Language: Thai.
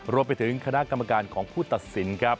รวมไปถึงคณะกรรมการของผู้ตัดสินครับ